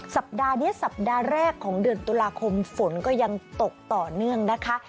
สัปดาห์นี้สัปดาห์แรกของเดือนตุลาคมฝนก็ยังตกต่อเนื่องนะคะ